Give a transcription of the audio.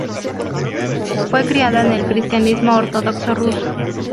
Fue criada en el cristianismo ortodoxo ruso.